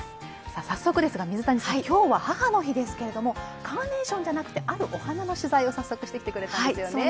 早速ですが、今日は母の日ですがカーネーションじゃなくて、あるお花の取材を早速してきてくれたんですよね。